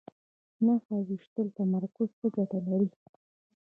نښه ویشتل تمرکز ته څه ګټه لري؟